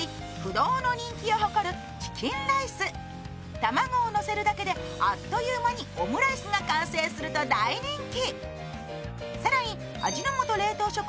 卵をのせるだけであっと言う間にオムライスが完成すると大人気。